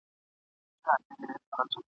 هره دقيقه او ساعت دونه ارزښت لري چي هېڅ ځای !.